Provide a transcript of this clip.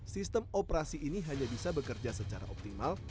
sistem operasi ini hanya bisa bekerja secara optimal